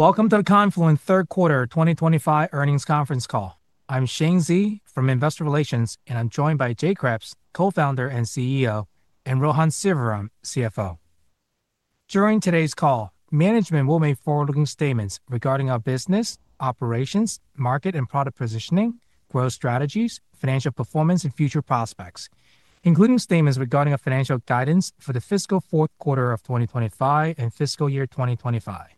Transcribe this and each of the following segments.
Welcome to the Confluent third quarter 2025 earnings conference call. I'm Shane Xie from Investor Relations and I'm joined by Jay Kreps, Co-Founder and CEO, and Rohan Sivaram, CFO. During today's call, management will make forward-looking statements regarding our business operations, market and product positioning, growth strategies, financial performance, and future prospects, including statements regarding our financial guidance for the fiscal fourth quarter of 2025 and fiscal year 2025.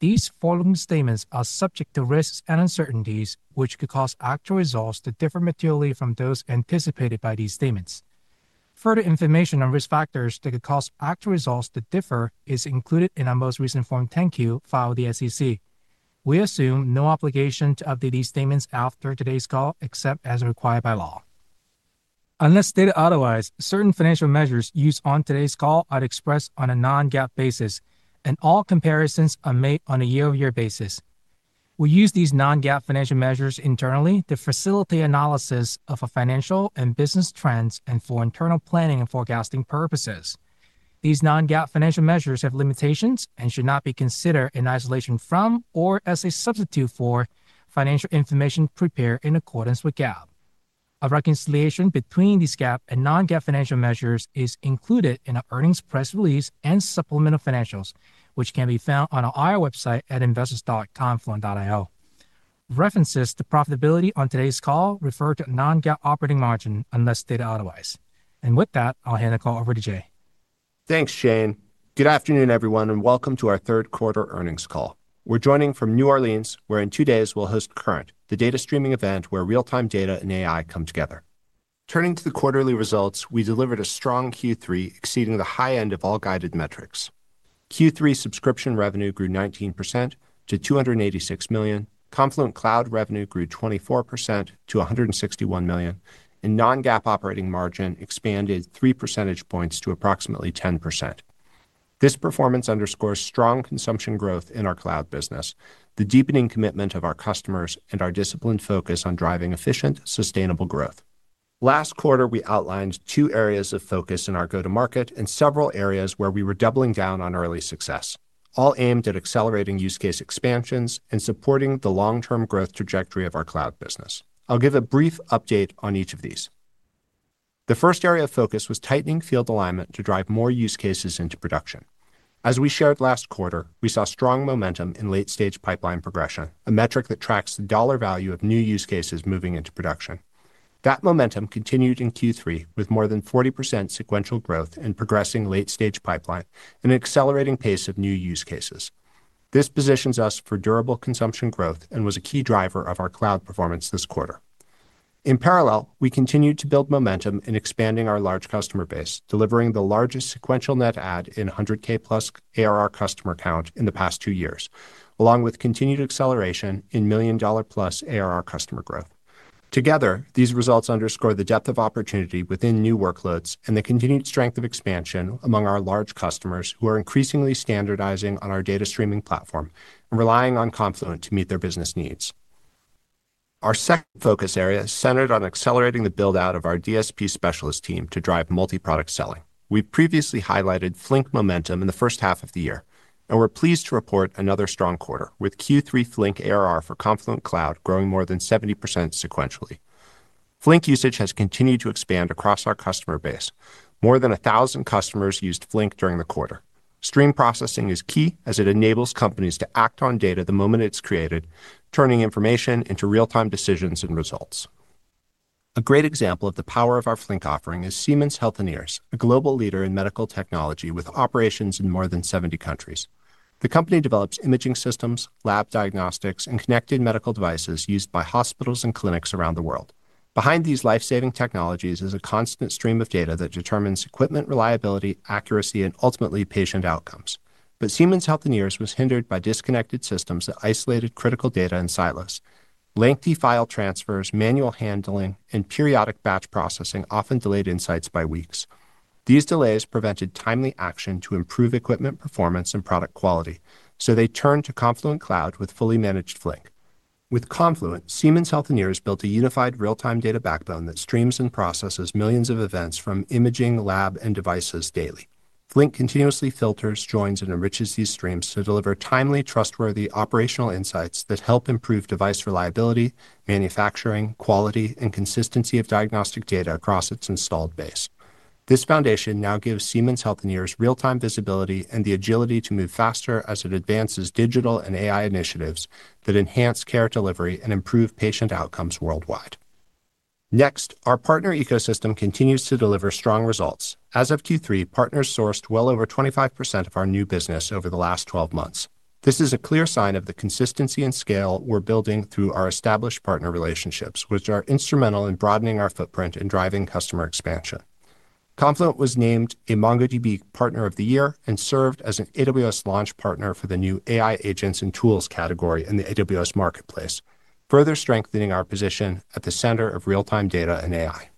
These forward-looking statements are subject to risks and uncertainties which could cause actual results to differ materially from those anticipated by these statements. Further information on risk factors that could cause actual results to differ is included in our most recent Form 10-Q filed with the SEC. We assume no obligation to update these statements after today's call except as required by law. Unless stated otherwise, certain financial measures used on today's call are expressed on a non-GAAP basis and all comparisons are made on a year-over-year basis. We use these non-GAAP financial measures internally to facilitate analysis of financial and business trends and for internal planning and forecasting purposes. These non-GAAP financial measures have limitations and should not be considered in isolation from or as a substitute for financial information prepared in accordance with GAAP. A reconciliation between these GAAP and non-GAAP financial measures is included in our earnings press release and supplemental financials which can be found on our IR website at investors.confluent.io. References to profitability on today's call refer to non-GAAP operating margin unless stated otherwise and with that I'll hand the call over to Jay. Thanks Shane. Good afternoon everyone and welcome to our third quarter earnings call. We're joining from New Orleans where in two days we'll host current, the data streaming event where real-time data and AI come together. Turning to the quarterly results, we delivered a strong Q3 exceeding the high end of all guided metrics. Q3 subscription revenue grew 19% to $286 million, Confluent Cloud revenue grew 24% to $161 million, and non-GAAP operating margin expanded 3 percentage points to approximately 10%. This performance underscores strong consumption growth in our cloud business, the deepening commitment of our customers, and our disciplined focus on driving efficient, sustainable growth. Last quarter we outlined two areas of focus in our go-to-market and several areas where we were doubling down on early success, all aimed at accelerating use case expansions and supporting the long-term growth trajectory of our cloud business. I'll give a brief update on each of these. The first area of focus was tightening field alignment to drive more use cases into production. As we shared last quarter, we saw strong momentum in late-stage pipeline progression, a metric that tracks the dollar value of new use cases moving into production. That momentum continued in Q3 with more than 40% sequential growth in progressing late-stage pipeline and an accelerating pace of new use cases. This positions us for durable consumption growth and was a key driver of our cloud performance this quarter. In parallel, we continue to build momentum in expanding our large customer base, delivering the largest sequential net add in $100,000+ ARR customer count in the past two years along with continued acceleration in million dollar+ ARR customer growth. Together, these results underscore the depth of opportunity within new workloads and the continued strength of expansion among our large customers who are increasingly standardizing on our Data Streaming Platform and relying on Confluent to meet their business needs. Our second focus area centered on accelerating the build-out of our DSP specialist team to drive multi-product selling. We previously highlighted Flink momentum in the first half of the year and we're pleased to report another strong quarter with Q3 Flink ARR for Confluent Cloud growing more than 70% sequentially. Flink usage has continued to expand across our customer base. More than 1,000 customers used Flink during the quarter. Stream processing is key as it enables companies to act on data the moment it's created, turning information into real-time decisions and results. A great example of the power of our Flink offering is Siemens Healthineers, a global leader in medical technology with operations in more than 70 countries. The company develops imaging systems, lab diagnostics, and connected medical devices used by hospitals and clinics around the world. Behind these life-saving technologies is a constant stream of data that determines equipment reliability, accuracy, and ultimately patient outcomes. Siemens Healthineers was hindered by disconnected systems that isolated critical data in silos. Lengthy file transfers, manual handling, and periodic batch processing often delayed insights by weeks. These delays prevented timely action to improve equipment performance and product quality, so they turned to Confluent Cloud with fully managed Flink. With Confluent, Siemens Healthineers built a unified real-time data backbone that streams and processes millions of events from imaging lab and devices daily. Flink continuously filters, joins, and enriches these streams to deliver timely, trustworthy operational insights that help improve device reliability, manufacturing quality, and consistency of diagnostic data across its installed base. This foundation now gives Siemens Healthineers real-time visibility and the agility to move faster as it advances digital and AI initiatives that enhance care delivery and improve patient outcomes worldwide. Next, our partner ecosystem continues to deliver strong results. As of Q3, partners sourced well over 25% of our new business over the last 12 months. This is a clear sign of the consistency and scale we're building through our established partner relationships, which are instrumental in broadening our footprint and driving customer expansion. Confluent was named a MongoDB Partner of the Year and served as an AWS Launch Partner for the new AI Agents and Tools category in the AWS Marketplace, further strengthening our position at the center of real-time data and AI.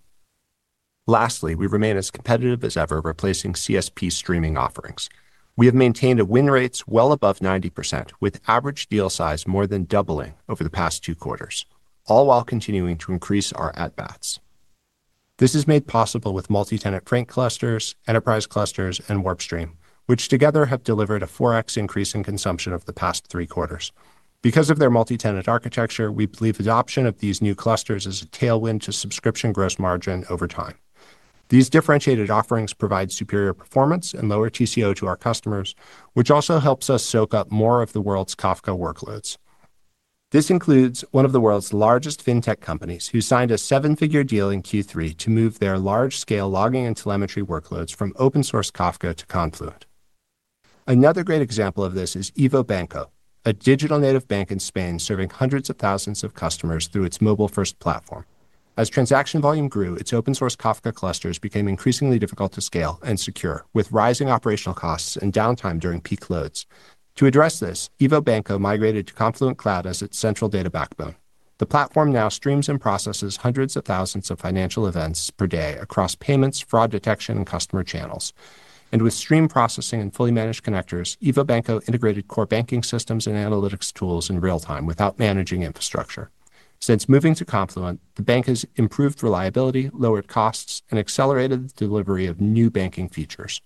Lastly, we remain as competitive as ever, replacing CSP streaming offerings. We have maintained a win rate well above 90%, with average deal size more than doubling over the past two quarters, all while continuing to increase our at bats. This is made possible with multi-tenant Enterprise Clusters and WarpStream, which together have delivered a 4x increase in consumption over the past three quarters. Because of their multi-tenant architecture, we believe adoption of these new clusters is a tailwind to subscription gross margin over time. These differentiated offerings provide superior performance and lower TCO to our customers, which also helps us soak up more of the world's Kafka workloads. This includes one of the world's largest fintech companies who signed a seven-figure deal in Q3 to move their large-scale logging and telemetry workloads from open-source Kafka to Confluent. Another great example of this is EVO Banco, a digital native bank in Spain serving hundreds of thousands of customers through its mobile-first platform. As transaction volume grew, its open-source Kafka clusters became increasingly difficult to scale and secure with rising operational costs and downtime during peak loads. To address this, EVO Banco migrated to Confluent Cloud as its central data backbone. The platform now streams and processes hundreds of thousands of financial events per day across payments, fraud detection, and customer channels. With stream processing and fully managed Connectors, EVO Banco integrated core banking systems and analytics tools in real time without managing infrastructure. Since moving to Confluent, the bank has improved reliability, lowered costs, and accelerated the delivery of new banking features.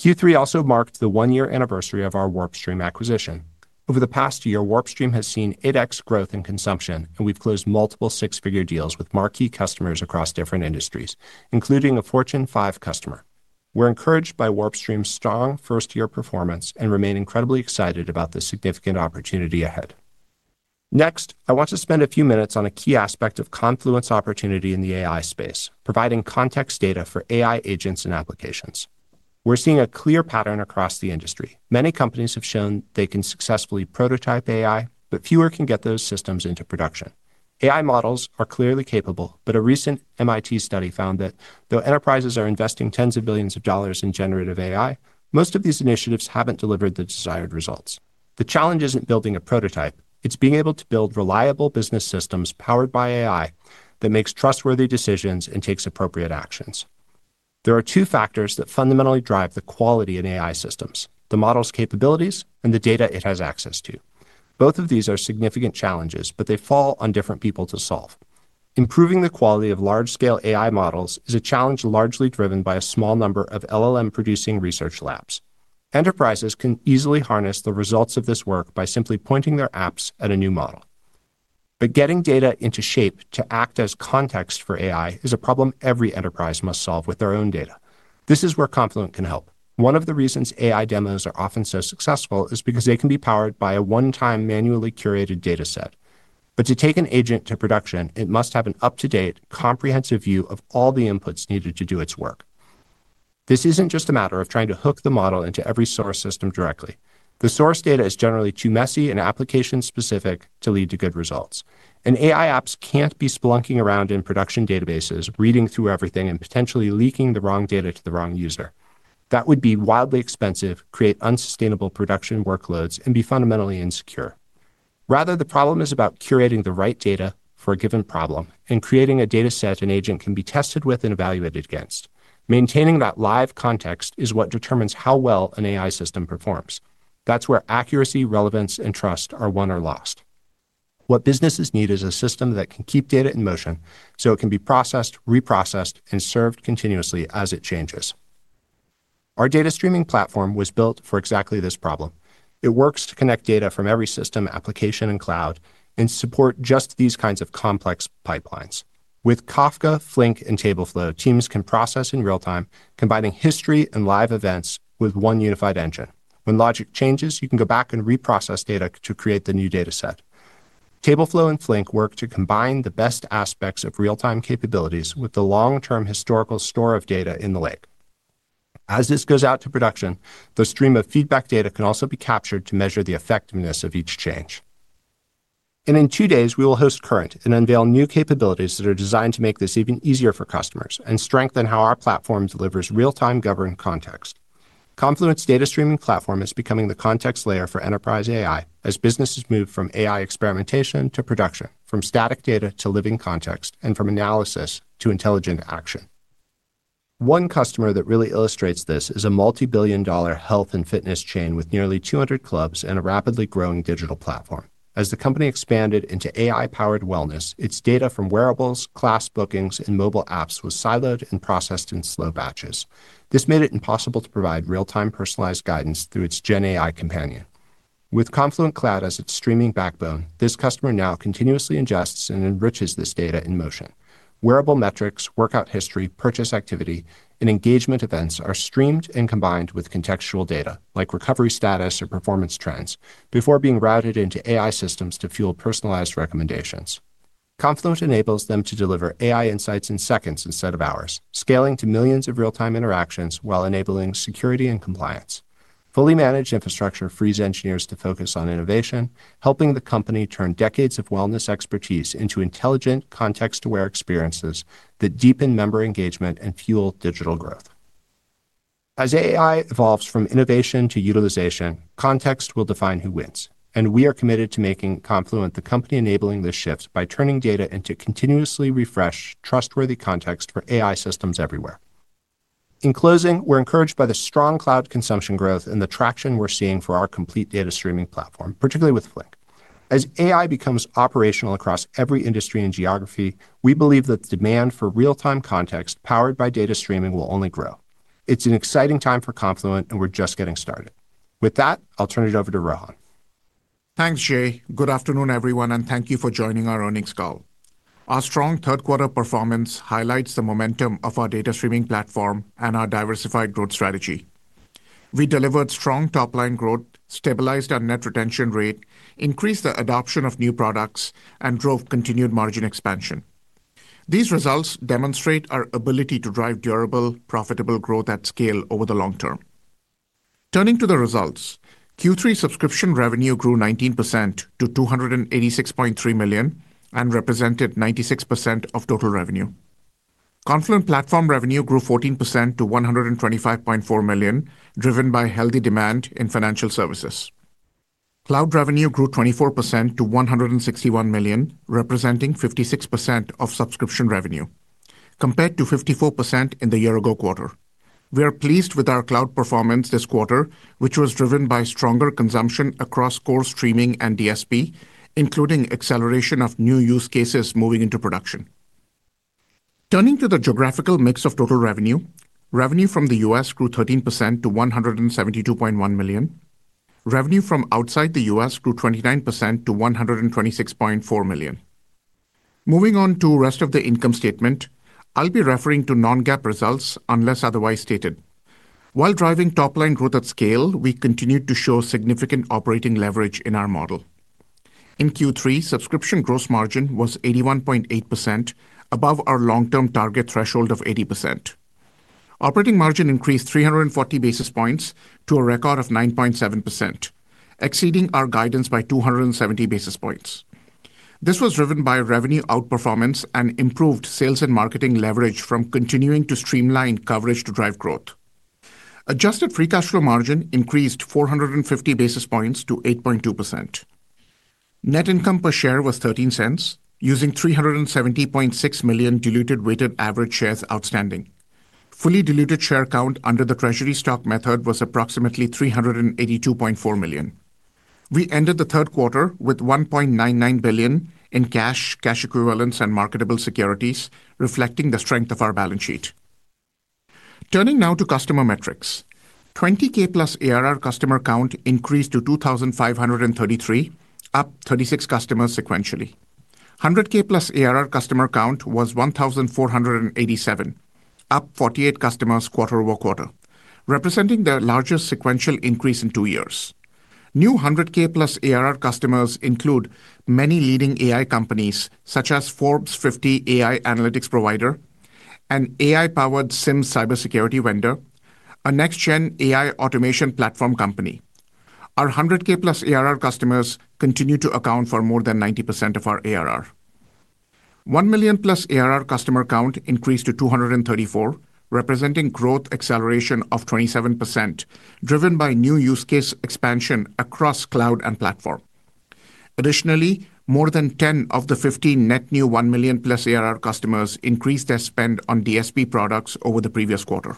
Q3 also marked the one-year anniversary of our WarpStream acquisition. Over the past year, WarpStream has seen 8x growth in consumption, and we've closed multiple six-figure deals with marquee customers across different industries, including a Fortune 5 customer. We're encouraged by WarpStream's strong first-year performance and remain incredibly excited about the significant opportunity ahead. Next, I want to spend a few minutes on a key aspect of Confluent's opportunity in the AI space: providing context data for AI Agents and applications. We're seeing a clear pattern across the industry. Many companies have shown they can successfully prototype AI, but fewer can get those systems into production. AI models are clearly capable, but a recent MIT study found that though enterprises are investing tens of billions of dollars in generative AI, most of these initiatives haven't delivered the desired results. The challenge isn't building a prototype. It's being able to build reliable business systems powered by AI that make trustworthy decisions and take appropriate actions. There are two factors that fundamentally drive the quality in AI systems: the model's capabilities and the data it has access to. Both of these are significant challenges, but they fall on different people to solve. Improving the quality of large-scale AI models is a challenge largely driven by a small number of LLM-producing research labs. Enterprises can easily harness the results of this work by simply pointing their apps at a new model. Getting data into shape to act as context for AI is a problem every enterprise must solve with their own data. This is where Confluent can help. One of the reasons AI demos are often so successful is because they can be powered by a one-time manually curated data set. To take an agent to production, it must have an up-to-date, comprehensive view of all the inputs needed to do its work. This isn't just a matter of trying to hook the model into every source system directly. The source data is generally too messy and application-specific to lead to good results. AI apps can't be spelunking around in production databases, reading through everything and potentially leaking the wrong data to the wrong user. That would be wildly expensive, create unsustainable production workloads, and be fundamentally insecure. The problem is about curating the right data for a given problem and creating a data set an agent can be tested with and evaluated against. Maintaining that live context is what determines how well an AI system performs. That's where accuracy, relevance, and trust are won or lost. What businesses need is a system that can keep data in motion so it can be processed, reprocessed, and served continuously as it changes. Our Data Streaming Platform was built for exactly this problem. It works to connect data from every system, application, and cloud, and support just these kinds of complex pipelines. With Kafka, Flink, and Tableflow, teams can process in real time, combining history and live events with one unified engine. When logic changes, you can go back and reprocess data to create the new data set. Tableflow and Flink work to combine the best aspects of real-time capabilities with the long-term historical store of data in the lake. As this goes out to production, the stream of feedback data can also be captured to measure the effectiveness of each change. In two days, we will host Current and unveil new capabilities that are designed to make this even easier for customers and strengthen how our platform delivers real-time governed context. Confluent's Data Streaming Platform is becoming the context layer for enterprise AI as businesses move from AI experimentation to production, from static data to living context, and from analysis to intelligent action. One customer that really illustrates this is a multibillion-dollar health and fitness chain with nearly 200 clubs and a rapidly growing digital platform. As the company expanded into AI-powered wellness, its data from wearables, class bookings, and mobile apps was siloed and processed in slow batches. This made it impossible to provide real-time personalized guidance through its gen AI companion. With Confluent Cloud as its streaming backbone, this customer now continuously ingests and enriches this data in motion. Wearable metrics, workout history, purchase activity, and engagement events are streamed and combined with contextual data like recovery status or performance trends before being routed into AI systems to fuel personalized recommendations. Confluent enables them to deliver AI insights in seconds instead of hours, scaling to millions of real-time interactions while enabling security and compliance. Fully managed infrastructure frees engineers to focus on innovation, helping the company turn decades of wellness expertise into intelligent, context-aware experiences that deepen member engagement and fuel digital growth. As AI evolves from innovation to utilization, context will define who wins, and we are committed to making Confluent the company enabling this shift by turning data into continuously refreshed, trustworthy context for AI systems everywhere. In closing, we're encouraged by the strong cloud consumption growth and the traction we're seeing for our complete Data Streaming Platform, particularly with Flink. As AI becomes operational across every industry and geography, we believe that the demand for real-time context powered by data streaming will only grow. It's an exciting time for Confluent, and we're just getting started with that. I'll turn it over to Rohan. Thanks Jay. Good afternoon everyone and thank you for joining our earnings call. Our strong third quarter performance highlights the momentum of our Data Streaming Platform and our diversified growth strategy. We delivered strong top line growth, stabilized our net retention rate, increased the adoption of new products, and drove continued margin expansion. These results demonstrate our ability to drive durable, profitable growth at scale over the long term. Turning to the results, Q3 subscription revenue grew 19% to $286.3 million and represented 96% of total revenue. Confluent Platform revenue grew 14% to $125.4 million, driven by healthy demand in financial services. Cloud revenue grew 24% to $161 million, representing 56% of subscription revenue compared to 54% in the year-ago quarter. We are pleased with our cloud performance this quarter, which was driven by stronger consumption across core streaming and DSP, including acceleration of new use cases moving into production. Turning to the geographical mix of total revenue, revenue from the U.S. grew 13% to $172.1 million. Revenue from outside the U.S. grew 29% to $126.4 million. Moving on to the rest of the income statement, I'll be referring to non-GAAP results unless otherwise stated. While driving top line growth at scale, we continued to show significant operating leverage in our model. In Q3, subscription gross margin was 81.8%, above our long-term target threshold of 80%. Operating margin increased 340 basis points to a record of 9.7%, exceeding our guidance by 270 basis points. This was driven by revenue outperformance and improved sales and marketing leverage from continuing to streamline coverage to drive growth. Adjusted free cash flow margin increased 450 basis points to 8.2%. Net income per share was $0.13 using 370.6 million diluted weighted average shares outstanding. Fully diluted share count under the treasury stock method was approximately 382.4 million. We ended the third quarter with $1.99 billion in cash, cash equivalents, and marketable securities, reflecting the strength of our balance sheet. Turning now to customer metrics, 20K+ ARR customer count increased to 2,533, up 36 customers sequentially. 100K+ ARR customer count was 1,487, up 48 customers quarter over quarter, representing the largest sequential increase in two years. New $100K+ ARR customers include many leading AI companies such as Forbes 50 AI Analytics Provider, an AI-powered SIEM cybersecurity vendor, a next-gen AI automation platform company. Our $100K+ ARR customers continue to account for more than 90% of our arrangement. $1 million+ ARR customer count increased to 234, representing growth acceleration of 27%, driven by new use case expansion across cloud and platform. Additionally, more than 10 of the 15 net new $1 million+ ARR customers increased their spend on Data Streaming Platform products over the previous quarter.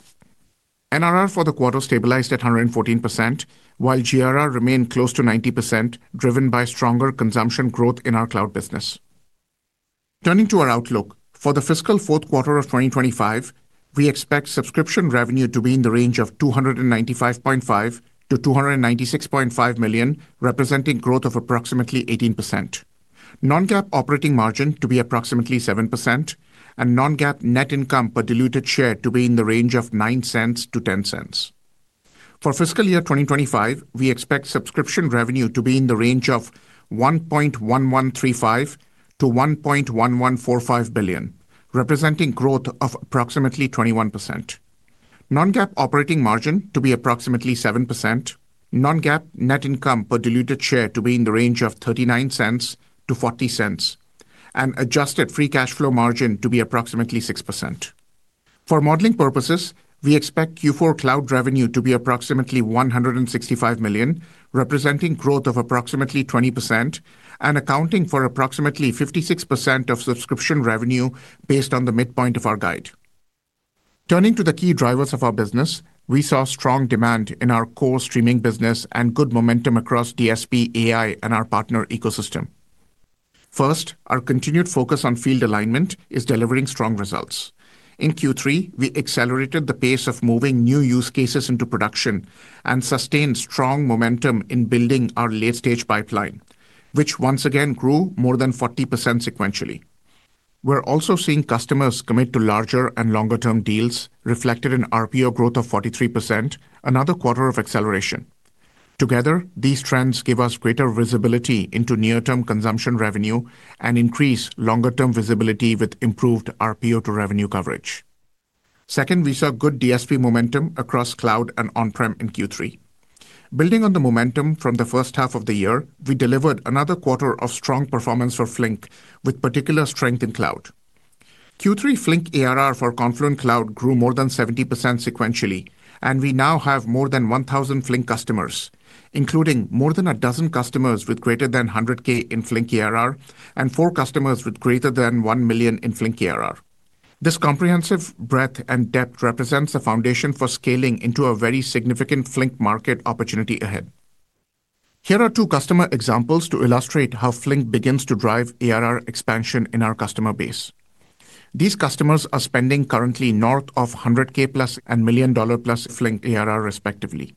NRR for the quarter stabilized at 114% while GRR remained close to 90%, driven by stronger consumption growth in our cloud business. Turning to our outlook for the fiscal fourth quarter of 2025, we expect subscription revenue to be in the range of $295.5 million to $296.5 million, representing growth of approximately 18%, non-GAAP operating margin to be approximately 7%, and non-GAAP net income per diluted share to be in the range of $0.09 to $0.10. For fiscal year 2025, we expect subscription revenue to be in the range of $1.1135 billion to $1.1145 billion, representing growth of approximately 21%, non-GAAP operating margin to be approximately 7%, non-GAAP net income per diluted share to be in the range of $0.39 to $0.40, and adjusted free cash flow margin to be approximately 6%. For modeling purposes, we expect Q4 cloud revenue to be approximately $165 million, representing growth of approximately 20% and accounting for approximately 56% of subscription revenue based on the midpoint of our guide. Turning to the key drivers of our business, we saw strong demand in our core streaming business and good momentum across Data Streaming Platform, AI, and our partner ecosystem. First, our continued focus on field alignment is delivering strong results. In Q3, we accelerated the pace of moving new use cases into production and sustained strong momentum in building our late-stage pipeline, which once again grew more than 40% sequentially. We're also seeing customers commit to larger and longer-term deals, reflected in RPO growth of 43%, another quarter of acceleration. Together, these trends give us greater visibility into near-term consumption revenue and increase longer-term visibility with improved RPO to revenue coverage. Second, we saw good Data Streaming Platform momentum across cloud and on-prem in Q3. Building on the momentum from the first half of the year, we delivered another quarter of strong performance for Flink, with particular strength in cloud. Q3. Flink ARR for Confluent Cloud grew more than 70% sequentially, and we now have more than 1,000 Flink customers, including more than a dozen customers with greater than $100,000 in Flink ARR and 4 customers with greater than $1 million in Flink ARR. This comprehensive breadth and depth represents the foundation for scaling into a very significant Flink market opportunity ahead. Here are two customer examples to illustrate how Flink begins to drive ARR expansion in our customer base. These customers are spending currently north of $100,000 plus and million dollar plus Flink ARR, respectively.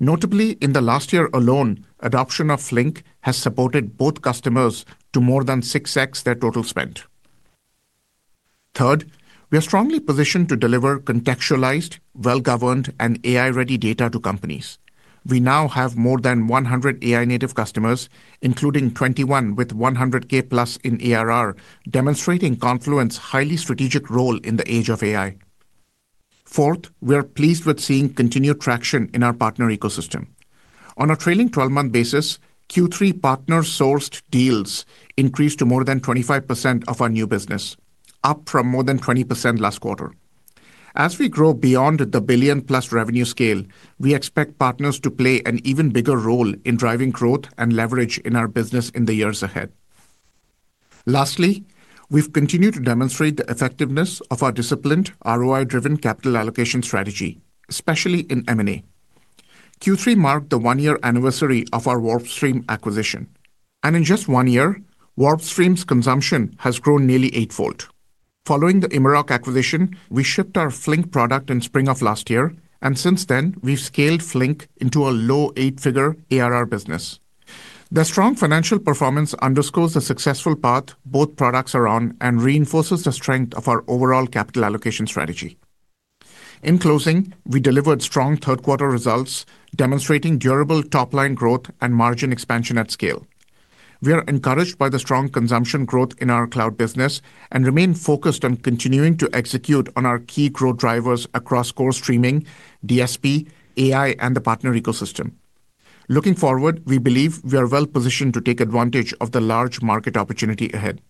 Notably, in the last year alone, adoption of Flink has supported both customers to more than 6x their total spend. Third, we are strongly positioned to deliver contextualized, well-governed, and AI-ready data to companies. We now have more than 100 AI-native customers, including 21 with $100,000 plus in ARR, demonstrating Confluent's highly strategic role in the age of AI. Fourth, we are pleased with seeing continued traction in our partner ecosystem. On a trailing 12-month basis, Q3 partner-sourced deals increased to more than 25% of our new business, up from more than 20% last quarter. As we grow beyond the billion plus revenue scale, we expect partners to play an even bigger role in driving growth and leverage in our business in the years ahead. Lastly, we've continued to demonstrate the effectiveness of our disciplined ROI-driven capital allocation strategy, especially in M&A. Q3 marked the one-year anniversary of our WarpStream acquisition, and in just one year WarpStream's consumption has grown nearly eightfold following the Immerok acquisition. We shipped our Flink product in spring of last year, and since then we've scaled Flink into a low eight-figure ARR business. The strong financial performance underscores the successful path both products are on and reinforces the strength of our overall capital allocation strategy. In closing, we delivered strong third quarter results demonstrating durable top line growth and margin expansion at scale. We are encouraged by the strong consumption growth in our cloud business and remain focused on continuing to execute on our key growth drivers across core streaming, DSP, AI, and the partner ecosystem. Looking forward, we believe we are well positioned to take advantage of the large market opportunity ahead.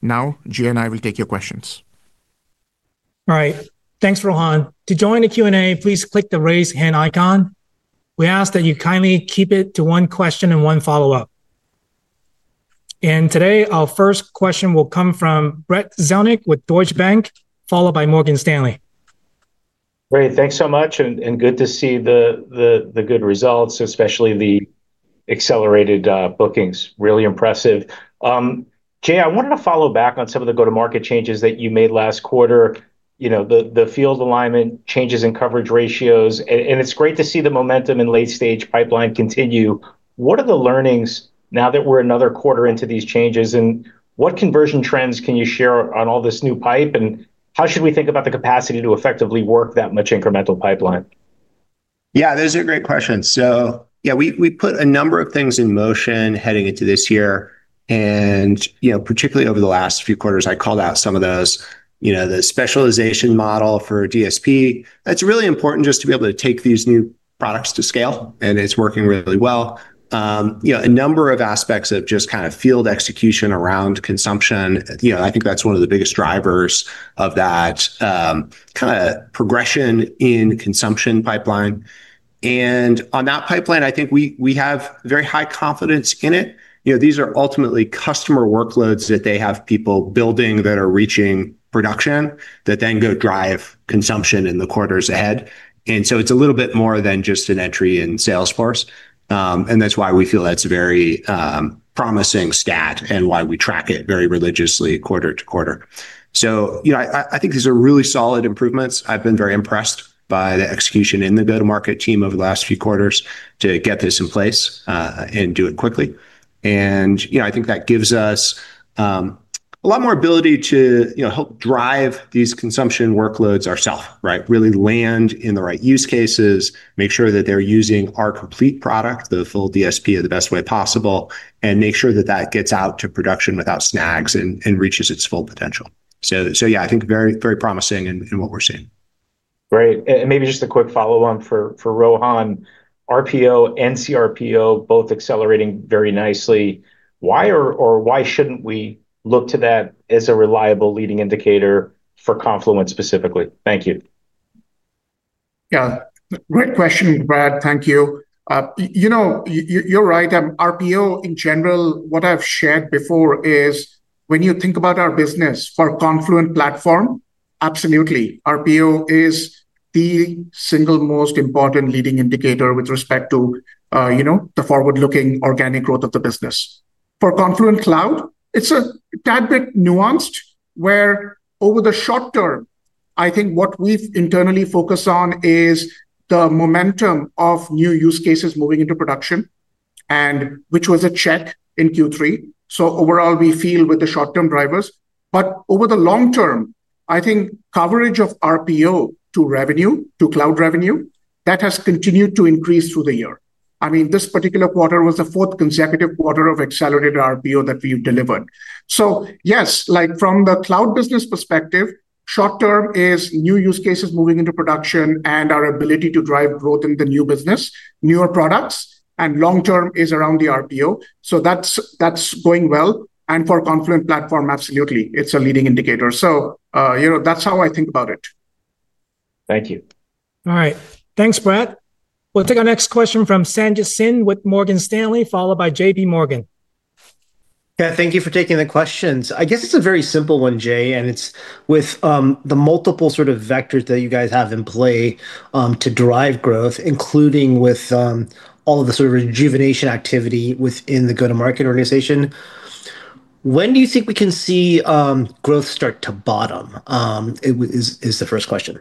Now Jay and I will take your questions. All right, thanks Rohan. To join the Q&A, please click the raise hand icon. We ask that you kindly keep it to one question and one follow up, and today our first question will come from Brad Zelnick with Deutsche Bank, followed by Morgan Stanley. Great. Thanks so much and good to see the good results, especially the accelerated bookings. Really impressive. Jay, I wanted to follow back on some of the go to market changes that you made last quarter. The field alignment changes in coverage ratios, and it's great to see the momentum in late stage pipeline. What are the learnings now that we're another quarter into these changes, and what conversion trends can you share on all this new pipe, and how should we think about the capacity to effectively work that much incremental pipeline? Yeah, those are great questions. We put a number of things in motion heading into this year and particularly over the last few quarters. I called out some of those, the specialization model for DSP, that's really important just to be able to take these new products to scale, and it's working really well. A number of aspects of just kind of field execution around consumption. I think that's one of the biggest drivers of that kind of progression in consumption pipeline. On that pipeline, I think we have very high confidence in it. These are ultimately customer workloads that they have people building that are reaching production that then go drive consumption in the quarters ahead. It's a little bit more than just an entry in Salesforce, and that's why we feel that's a very promising stat and why we track it very religiously quarter to quarter. I think these are really solid improvements. I've been very impressed by the execution in the go to market team over the last few quarters to get this in place and do it quickly, and I think that gives us a lot more ability to help drive these consumption workloads ourself, really land in the right use cases, make sure that they're using our complete product, the full DSP in the best way possible, and make sure that that gets out to production without snags and reaches its full potential. I think very, very promising in what we're seeing. Great. And maybe just a quick follow on for Rohan. RPO and CRPO both accelerating very nicely. Why or why shouldn't we look to that as a reliable leading indicator for Confluent specifically? Thank you. Yeah, great question, Brad. Thank you. You're right. RPO in general, what I've shared before is when you think about our business for Confluent Platform, absolutely, RPO is the single most important leading indicator with respect to the forward-looking organic growth of the business. For Confluent Cloud, it's a tad bit nuanced where over the short term I think what we internally focus on is the momentum of new use cases moving into production, which was a check in Q3. Overall, we feel with the short-term drivers, over the long term I think coverage of RPO to revenue to cloud revenue has continued to increase through the year. This particular quarter was the fourth consecutive quarter of accelerated RPO that we've delivered. Yes, from the cloud business perspective, short term is new use cases moving into production and our ability to drive growth in the new business, newer products, and long term is around the RPO. That's going well. For Confluent Platform, absolutely, it's a leading indicator. That's how I think about it. Thank you. All right, thanks, Brad. We'll take our next question from Sandhya Singh with Morgan Stanley followed by JPMorgan. Thank you for taking the questions. I guess it's a very simple one, Jay. It's with the multiple sort of vectors that you guys have in play to drive growth, including with all of the sort of rejuvenation activity within the go-to-market organization. When do you think we can see growth start to bottom? Is the first question.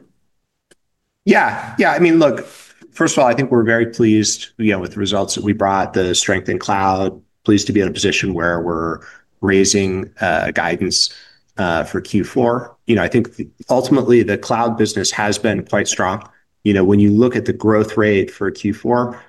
Yeah, I mean, look, first of all, I think we're very pleased with the results that we brought, the strength in cloud. Pleased to be in a position where we're raising guidance for Q4. I think ultimately the cloud business has been quite strong. When you look at the growth rate for Q4,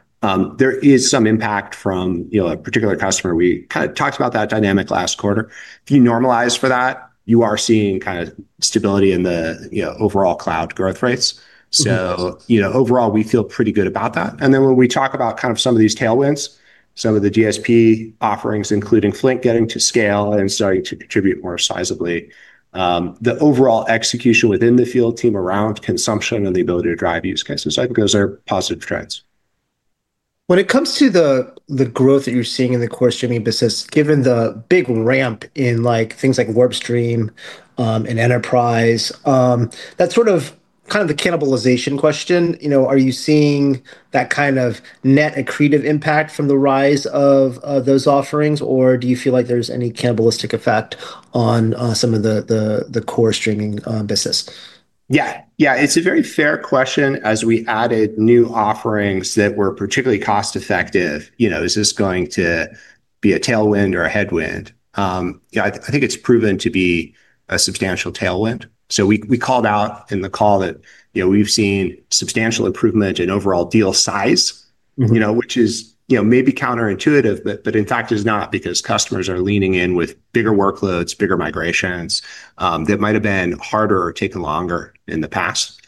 there is some impact from a particular customer. We kind of talked about that dynamic last quarter. If you normalize for that, you are seeing kind of stability in the overall cloud growth rates. Overall, we feel pretty good about that. When we talk about some of these tailwinds, some of the Data Streaming Platform offerings, including Flink, getting to scale and starting to contribute more sizably, the overall execution within the field team around consumption and the ability to drive use cases, I think those are positive trends. When it comes to the growth that you're seeing in the core streaming business. Given the big ramp in things like WarpStream and Enterprise, that's sort of the cannibalization question. Are you seeing that kind of net accretive impact from the rise of those offerings or do you feel like there's any cannibalistic effect on some of the core streaming business? Yeah, it's a very fair question. As we added new offerings that were particularly cost effective, is this going to be a tailwind or a headwind? I think it's proven to be a substantial tailwind. We called out in the call that we've seen substantial improvement in overall deal size, which is maybe counterintuitive but in fact is not because customers are leaning in with bigger workloads, bigger migrations that might have been harder or taken longer in the past.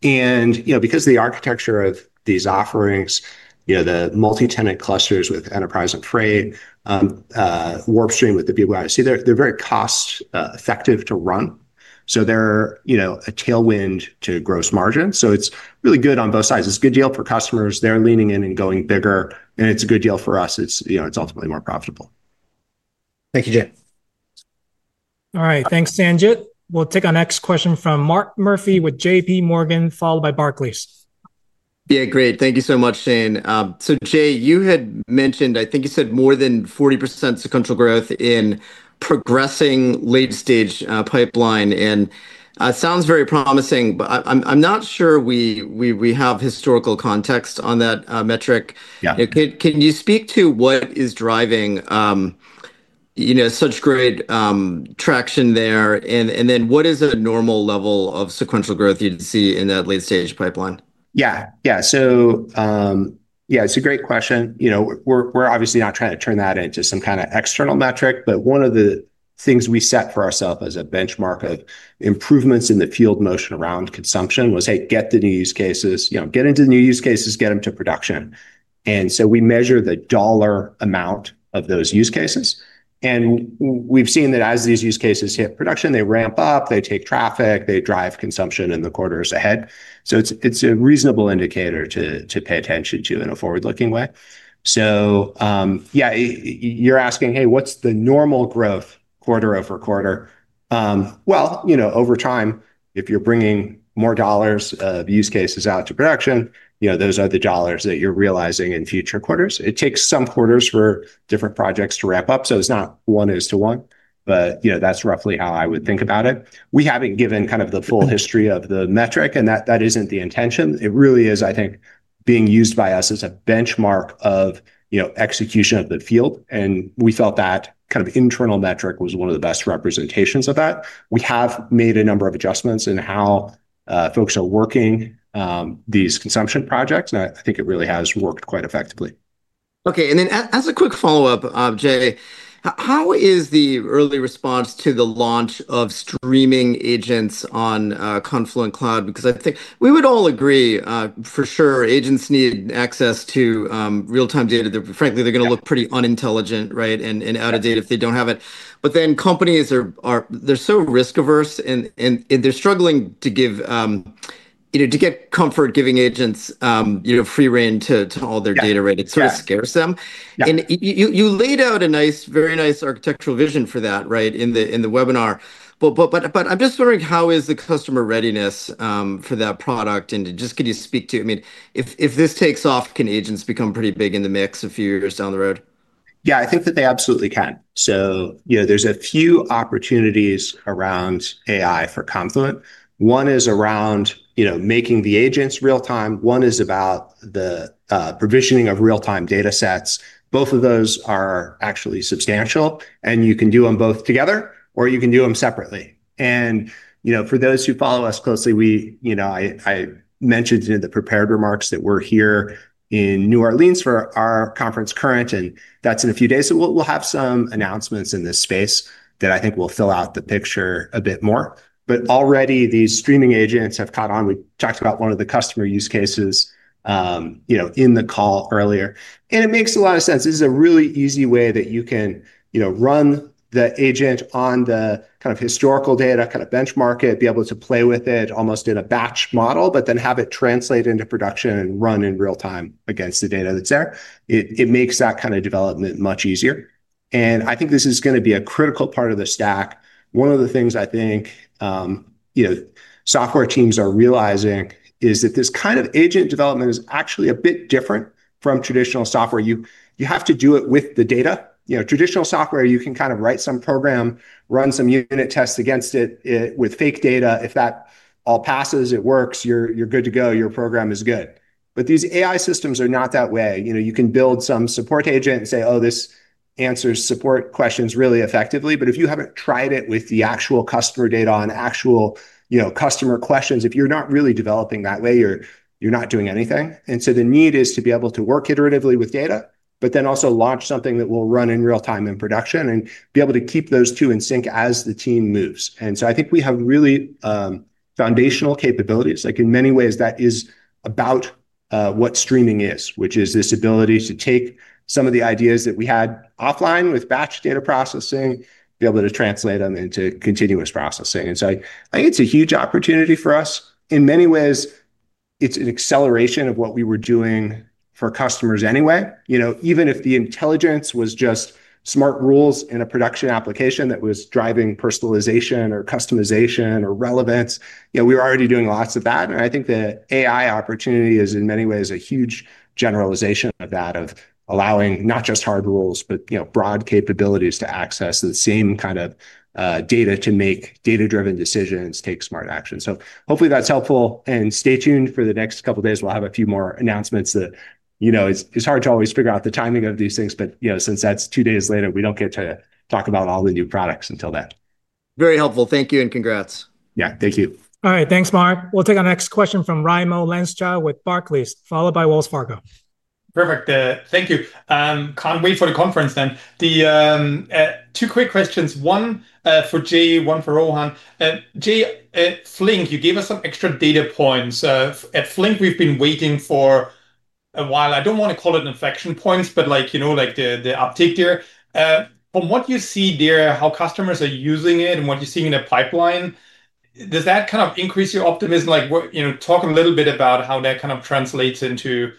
Because of the architecture of these offerings, the multi-tenant clusters with Enterprise and Freight, WarpStream with the BYOC, they're very cost effective to run. They're a tailwind to gross margin. It's really good on both sides. It's a good deal for customers. They're leaning in and going bigger and it's a good deal for us. It's ultimately more profitable. Thank you, Jay. All right, thanks Sandhya. We'll take our next question from Mark Murphy with JPMorgan followed by Barclays. Yeah, great. Thank you so much, Shane. Jay, you had mentioned, I think you said more than 40% sequential growth in progressing late stage pipeline and sounds very promising, but I'm not sure we have historical context on that metric. Can you speak to what is driving such great traction there and then what is a normal level of sequential growth you'd see in that late stage pipeline? Yeah, it's a great question. We're obviously not trying to turn that into some kind of external metric, but one of the things we set for ourselves as a benchmark of improvements in the field motion around consumption was hey, get the new use cases, get into new use cases, get them to production. We measure the dollar amount of those use cases and we've seen that as these use cases hit production, they ramp up, they take traffic, they drive consumption in the quarters ahead. It's a reasonable indicator to pay attention to in a forward looking way. You're asking, what's the normal growth quarter-over-quarter? Over time, if you're bringing more dollars of use cases out to production, those are the dollars that you're realizing in future quarters. It takes some quarters for different projects to ramp up. It's not one to one, but that's roughly how I would think about it. We haven't given the full history of the metric and that isn't the intention. It really is, I think, being used by us as a benchmark of execution of the field. We felt that kind of internal metric was one of the best representations of that. We have made a number of adjustments in how folks are working these consumption projects, and I think it really has worked quite effectively. Okay, and then as a quick follow-up, Jay, how is the early response to the launch of streaming agents on Confluent Cloud? I think we would all agree for sure agents need access to real-time data. Frankly, they're going to look pretty unintelligent and out of date if they don't have it. Companies are so risk averse and they're struggling to get comfort giving agents free reign to all their data. It sort of scares them. You laid out a very nice architectural vision for that in the webinar. I'm just wondering, how is the customer readiness for that product? Could you speak to, if this takes off, can agents become pretty big in the mix a few years down the road? Yeah, I think that they absolutely can. There are a few opportunities around AI for Confluent. One is around making the agents real time. One is about the provisioning of real-time data sets. Both of those are actually substantial, and you can do them both together or you can do them separately. For those who follow us closely, I mentioned in the prepared remarks that we're here in New Orleans for our conference current, and that's in a few days. We'll have some announcements in this space that I think will fill out the picture a bit more. Already, these streaming agents have caught on. We talked about one of the customer use cases in the call earlier, and it makes a lot of sense. This is a really easy way that you can run the agent on the historical data, benchmark it, be able to play with it almost in a batch model, but then have it translate into production and run in real time against the data that's there. It makes that development much easier. I think this is going to be a critical part of the stack. One of the things I think software teams are realizing is that this agent development is actually a bit different from traditional software. You have to do it with the data. Traditional software, you can write some program, run some unit tests against it with fake data. If that all passes, it works, you're good to go, your program is good. These AI systems are not that way. You can build some support agent and say, oh, this answers support questions really effectively. If you haven't tried it with the actual customer data on actual customer questions, if you're not really developing that way, you're not doing anything. The need is to be able to work iteratively with data, but then also launch something that will run in real time in production and be able to keep those two in sync as the team moves. I think we have really foundational capabilities, like in many ways that is about what streaming is, which is this ability to take some of the ideas that we had offline with batch data processing, be able to translate them into continuous processing. I think it's a huge opportunity for us. In many ways it's an acceleration of what we were doing for customers anyway. Even if the intelligence was just smart rules in a production application that was driving personalization or customization or relevance, we were already doing lots of that. I think the AI opportunity is in many ways a huge generalization of that, of allowing not just hard rules, but broad capabilities to access the same kind of data, to make data driven decisions, take smart action. Hopefully that's helpful. Stay tuned for the next couple of days. We'll have a few more announcements. That is hard to always figure out the timing of these things, but since that's two days later, we don't get to talk about all the new products until then. Very helpful. Thank you and congrats. Yeah, thank you. All right, thanks, Mark. We'll take our next question from Raimo Lenschow with Barclays followed by Wells Fargo. Perfect, thank you. Can't wait for the conference. Two quick questions, one for Jay, one for Rohan. Jay, Flink, you gave us some extra data points at Flink. We've been waiting for a while. I don't want to call it inflection points, but the uptick there from what. You see there how customers are using it and what you're seeing in a pipeline. Does that increase your optimism? Talk a little bit about how that translates into,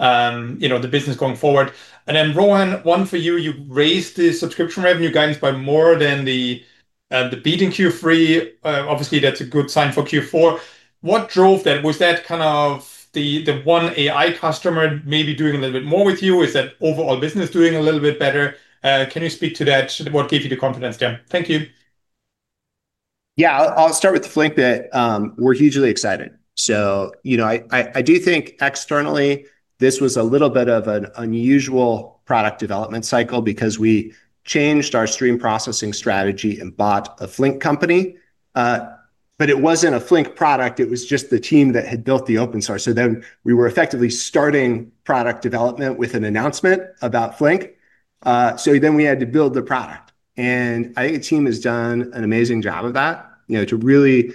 you know, the business going forward. Rohan, one for you. You raised the subscription revenue guidance. More than the beating Q3. Obviously that's a good sign for Q4. What drove that was that. The one AI customer maybe doing. A little bit more with you. Is that overall business doing a little bit better? Can you speak to that? What gave you the confidence there? Thank you. Yeah, I'll start with the Flink. We're hugely excited. I do think externally this was a little bit of an unusual product development cycle because we changed our stream processing strategy and bought a Flink company. It wasn't a Flink product. It was just the team that had built the open source. We were effectively starting product development with an announcement about Flink. We had to build the product and I think the team has done an amazing job of that, to really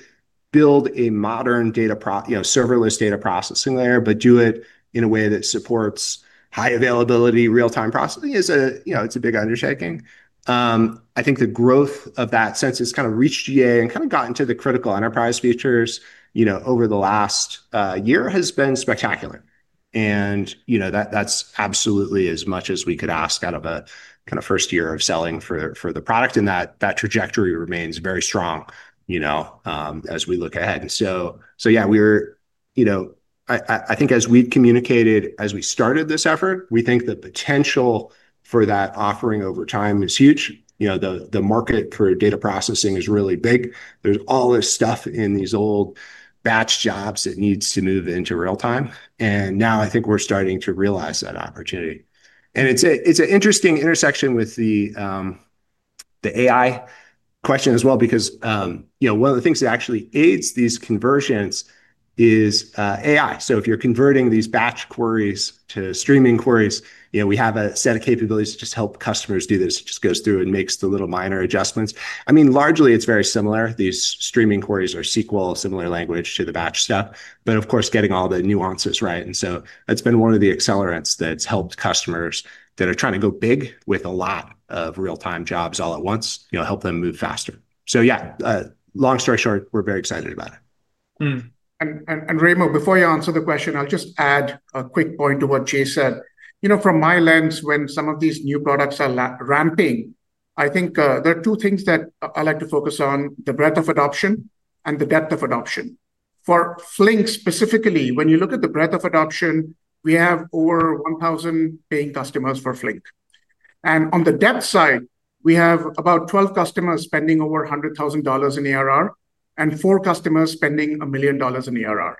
build a modern data pro, serverless data processing layer, but do it in a way that supports high availability. Real time processing is a big undertaking. I think the growth of that since it's kind of reached GA and kind of gotten to the critical enterprise features over the last year has been spectacular. That's absolutely as much as we could ask out of a kind of first year of selling for the product and that trajectory remains very strong as we look ahead. I think as we communicated as we started this effort, we think the potential for that offering over time is huge. The market for data processing is really big. There's all this stuff in these old batch jobs that needs to move into real time. Now I think we're starting to realize that opportunity. It's an interesting intersection with the AI question as well, because one of the things that actually aids these conversions is AI. If you're converting these batch queries to streaming queries, we have a set of capabilities to just help customers do this. It just goes through and makes the little minor adjustments. I mean, largely it's very similar. These streaming queries are SQL similar language to the batch stuff, but of course getting all the nuances right. That's been one of the accelerants that's helped customers that are trying to go big with a lot of real time jobs all at once, help them move faster. Long story short, we're very excited about it. Rohan, before you answer the question, I'll just add a quick point to what Jay said. You know, from my lens, when some of these new products are ramping, I think there are two things that I like to focus on: the breadth of adoption and the depth of adoption for Flink. Specifically, when you look at the breadth of adoption, we have over 1,000 paying customers for Flink. On the depth side, we have about 12 customers spending over $100,000 in ARR and four customers spending $1 million in ARR.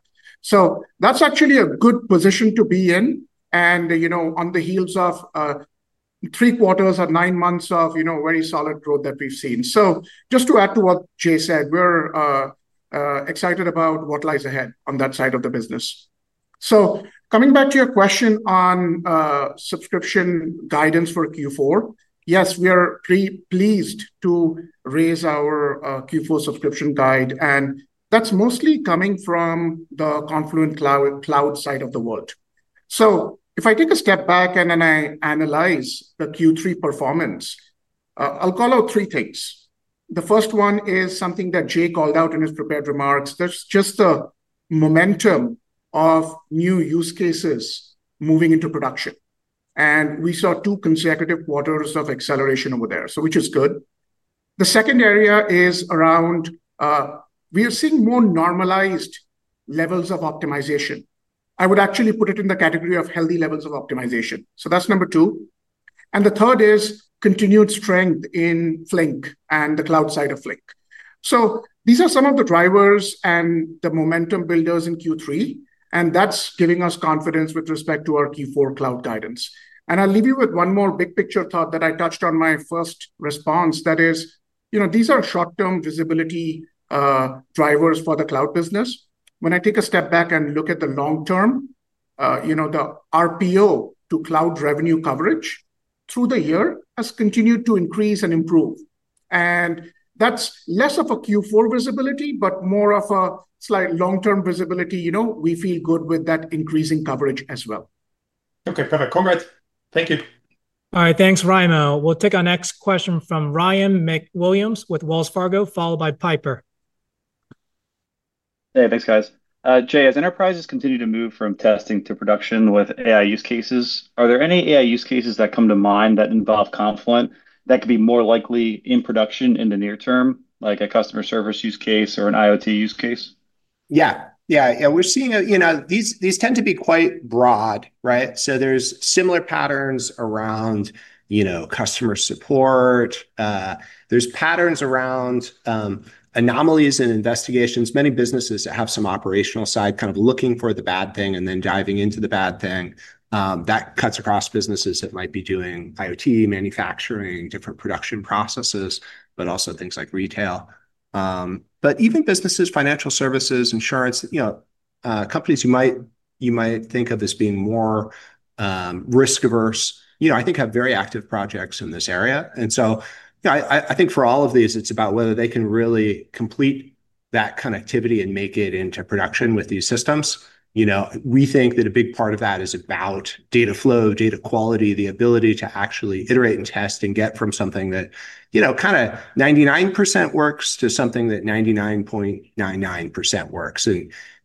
That's actually a good position to be in, and on the heels of three quarters or nine months of very solid growth that we've seen. Just to add to what Jay said, we're excited about what lies ahead on that side of the business. Coming back to your question on subscription guidance for Q4, yes, we are pretty pleased to raise our Q4 subscription guide, and that's mostly coming from the Confluent Cloud side of the world. If I take a step back and then analyze the Q3 performance, I'll call out three things. The first one is something that Jay called out in his prepared remarks: there's just the momentum of new use cases moving into production, and we saw two consecutive quarters of acceleration over there, which is good. The second area is around seeing more normalized levels of optimization. I would actually put it in the category of healthy levels of optimization. That's number two. The third is continued strength in Flink and the cloud side of Flink. These are some of the drivers and the momentum builders in Q3, and that's giving us confidence with respect to our Q4 cloud guidance. I'll leave you with one more big picture thought that I touched on in my first response. These are short-term visibility drivers for the cloud business. When I take a step back and look at the long term, the RPO to cloud revenue coverage through the year has continued to increase and improve. That's less of a Q4 visibility, but more of a slight long-term visibility. We feel good with that increasing coverage as well. Okay, perfect. Congrats. Thank you. All right, thanks, Rohan. We'll take our next question from Ryan MacWilliams with Wells Fargo, followed by Piper. Hey, thanks guys. Jay, as enterprises continue to move from testing to production with AI use cases, are there any AI use cases that come to mind that involve Confluent that could be more likely in production in the near term? Like a customer service use case or an IoT use case? Yeah, yeah, we're seeing these tend to be quite broad. Right. So there's similar patterns around customer support, there's patterns around anomalies and investigations. Many businesses that have some operational side kind of looking for the bad thing and then diving into the bad thing. That cuts across businesses that might be doing IoT manufacturing, different production processes, but also things like retail. Even businesses, financial services, insurance companies, you might think of as being more risk averse, I think have very active projects in this area. For all of these, it's about whether they can really complete that connectivity and make it into production with these systems. We think that a big part of that is about data flow, data quality, the ability to actually iterate and test and get from something that kind of 99% works to something that 99.99% works.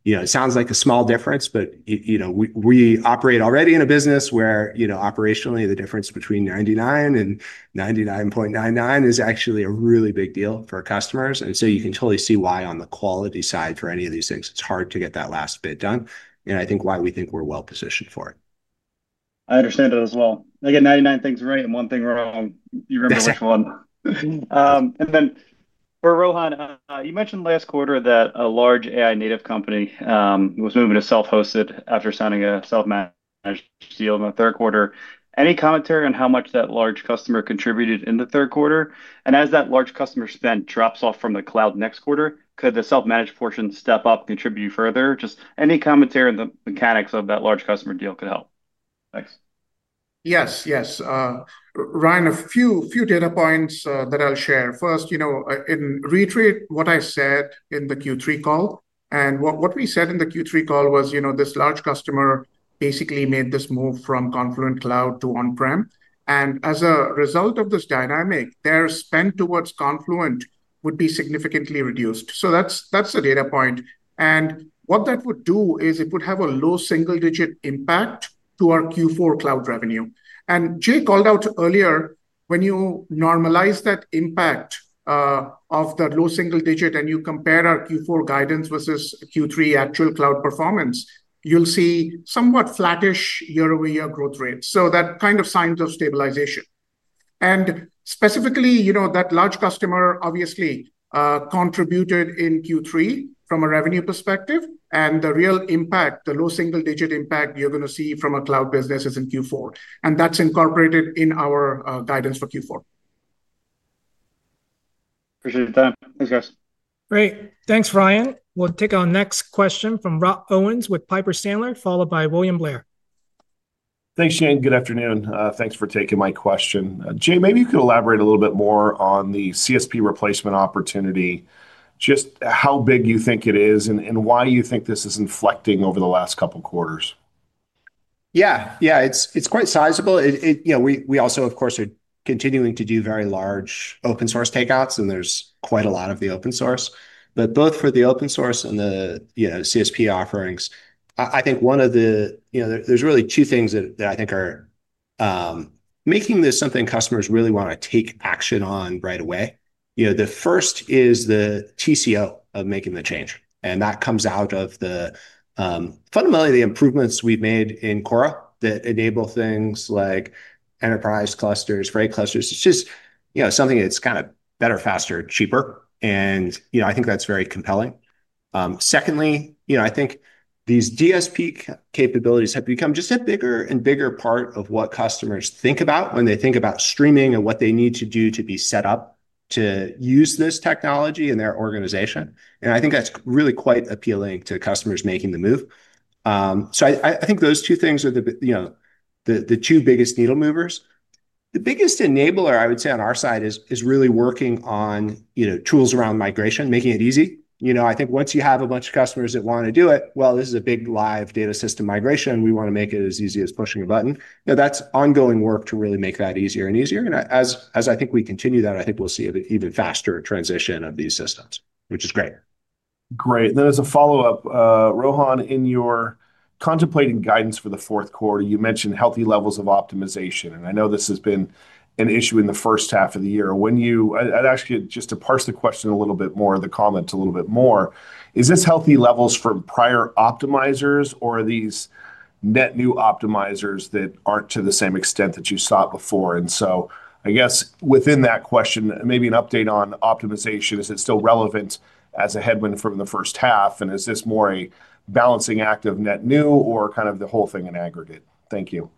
It sounds like a small difference, but we operate already in a business where operationally the difference between 99 and 99.99 is actually a really big deal for customers. You can totally see why on the quality side for any of these things, it's hard to get that last bit done. I think why we think we're well positioned for it. I understand it as well. I get 99 things right and one thing wrong, you remember which one. For Rohan, you mentioned last quarter that a large native company was moving to self hosted after signing a self managed deal in the third quarter. Any commentary on how much that large customer contributed in the third quarter? As that large customer spend drops off from the cloud next quarter, could the self managed portion step up contribute further? Just any commentary on the mechanics of that large customer deal could help. Thanks. Yes, yes Ryan, a few data points that I'll share. First, reiterate what I said in the Q3 call and what we said in the Q3 call was this large customer basically made this move from Confluent Cloud to on prem and as a result of this dynamic their spend towards Confluent would be significantly reduced. That's the data point and what that would do is it would have a low single digit impact to our Q4 cloud revenue. Jay called out earlier, when you normalize that impact of the low single digit and you compare our Q4 guidance versus Q3 actual cloud performance, you'll see somewhat flattish year over year growth rates. That kind of signs of stabilization and specifically you know, that large customer obviously contributed in Q3 from a revenue perspective and the real impact, the low single digit impact you're going to see from a cloud business is in Q4 and that's incorporated in our guidance for Q4. Appreciate that. Thanks guys. Great. Thanks, Ryan. We'll take our next question from Rob Owens with Piper Sandler, followed by William Blair. Thanks, Shane. Good afternoon. Thanks for taking my question. Jay, maybe you could elaborate a little bit more on the cloud service provider replacement opportunity. Just how big you think it is and why you think this is inflecting over the last couple quarters. Yeah, it's quite sizable. We also, of course, are continuing to do very large open-source takeouts, and there's quite a lot of the open-source, but both for the open-source and the cloud service provider offerings, I think there are really two things that are making this something customers really want to take action on right away. The first is the TCO of making the change, and that comes out of fundamentally the improvements we've made in Quora that enable things like Enterprise Clusters, freight clusters. It's just something that's kind of better, faster, cheaper, and I think that's very compelling. Secondly, I think these Data Streaming Platform capabilities have become just a bigger and bigger part of what customers think about when they think about streaming and what they need to do to be set up to use this technology in their organization. I think that's really quite appealing to customers making the move. I think those two things are the two biggest needle movers. The biggest enabler I would say on our side is really working on tools around migration, making it easy. I think once you have a bunch of customers that want to do it, this is a big live data system migration. We want to make it as easy as pushing a button. That's ongoing work to really make that easier and easier as I think we continue that, I think we'll see even faster transition of these systems, which is great. Great. Then as a follow-up, Rohan, in your contemplating guidance for the fourth quarter, you mentioned healthy levels of optimization. I know this has been an issue in the first half of the year. I'd ask you just to parse the question a little bit more, the comments a little bit more. Is this healthy levels from prior optimizers, or are these net new optimizers that aren't to the same extent that you saw before? Within that question, maybe an update on optimization. Is it still relevant as a headwind from the first half, and is this more a balancing act of net new or kind of the whole thing in aggregate? Thank you.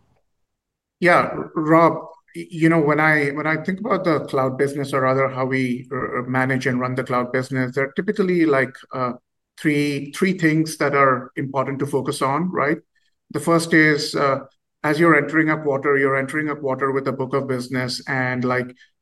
Yeah. Rob, when I think about the cloud business, or rather how we manage and run the cloud business, there are typically three things that are important to focus on. The first is as you're entering a quarter, you're entering a quarter with a book of business and